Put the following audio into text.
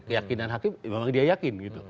keyakinan hakim memang dia yakin gitu